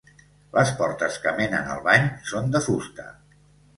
Les portes que menen al bany són de fusta.